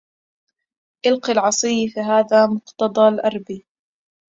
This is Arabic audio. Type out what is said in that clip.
ألق العصي فهذا مقتضى الأرب